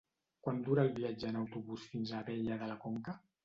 Quant dura el viatge en autobús fins a Abella de la Conca?